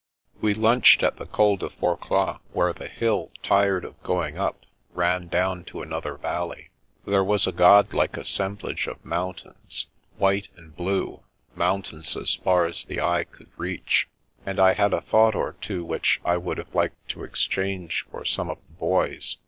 We lunched at the Col de Forclaz, where the hill, tired of going up, ran down to another valley. There was a godlike assemblage of mountains, white and blue, mountains as far as the eye could reach, and I had a thought or two which I would have liked to exchange for some of the Boy's.